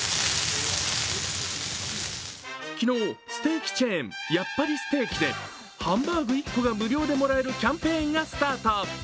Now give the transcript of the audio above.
昨日、ステーキチェーンやっぱりステーキでハンバーグ１個が無料でもらえるキャンペーンがスタート。